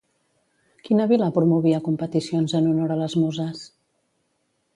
Quina vila promovia competicions en honor a les Muses?